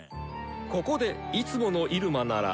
ここでいつもの入間なら。